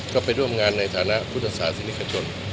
ก็ไปร่วมงานในฐานะพุทธศาสนิกชน